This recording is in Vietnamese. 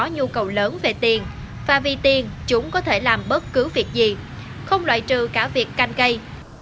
nhu cầu lớn về tiền và vì tiền chúng có thể làm bất cứ việc gì không loại trừ cả việc canh cây